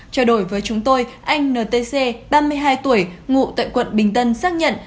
trao đổi với chúng tôi anh ntc ba mươi hai tuổi ngụ tại quận bình tân xác nhận